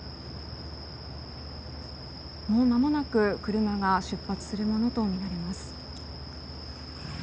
もうまもなく車が出発するものと思われます。